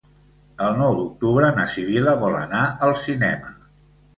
El nou d'octubre na Sibil·la vol anar al cinema.